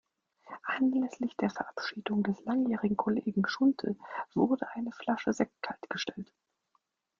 Anlässlich der Verabschiedung des langjährigen Kollegen Schulte wurde eine Flasche Sekt kaltgestellt.